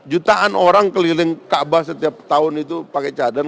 jutaan orang keliling kaabah setiap tahun itu pakai cadang